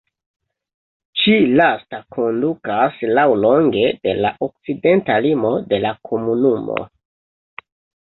Ĉi-lasta kondukas laŭlonge de la okcidenta limo de la komunumo.